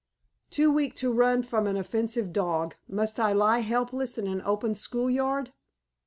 Too weak to run from an offensive dog, must I lie helpless in an open school yard?